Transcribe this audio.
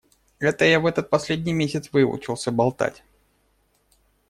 Это я в этот последний месяц выучился болтать.